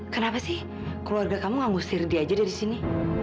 kenapa sih keluarga kamu nganggu sirdi aja dari sini